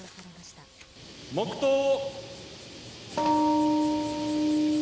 黙とう。